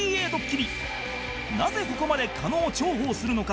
なぜここまで狩野を重宝するのか？